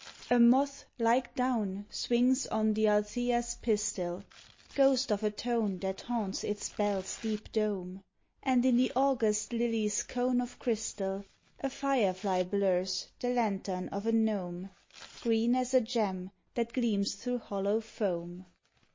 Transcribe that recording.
A moth, like down, swings on th' althæa's pistil, Ghost of a tone that haunts its bell's deep dome; And in the August lily's cone of crystal A firefly blurs, the lantern of a gnome, Green as a gem that gleams through hollow foam.